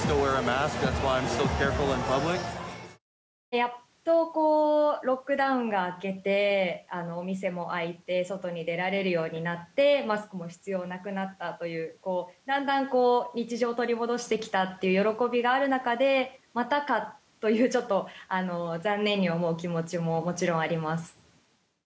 やっとロックダウンが明けてお店も開いて外に出られるようになってマスクも必要なくなったというだんだん日常を取り戻してきたという喜びがある中で、またかというちょっと、残念に思う気持ちももちろんあります。